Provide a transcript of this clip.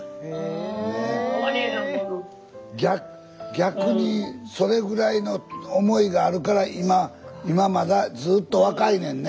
逆にそれぐらいの思いがあるから今まだずっと若いねんね。